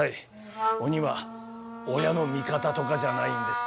鬼は親の味方とかじゃないんです。